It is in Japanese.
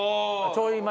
ちょい前？